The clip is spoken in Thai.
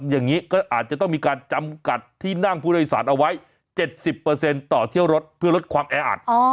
อย่างนี้ก็อาจจะต้องมีการจำกัดที่นั่งผู้โดยสารเอาไว้๗๐ต่อเที่ยวรถเพื่อลดความแออัด